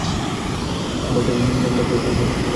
বাচ্চাদের খাবারের অভাব পড়ছে।